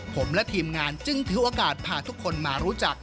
ผมและทีมงานจึงถือโอกาสพาทุกคนมารู้จัก